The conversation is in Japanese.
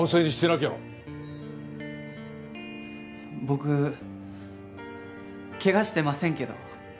僕怪我してませんけど。